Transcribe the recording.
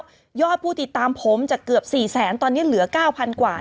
แล้วยอดผู้ติดตามผมจะเกือบสี่แสนตอนนี้เหลือเก้าพันกว่า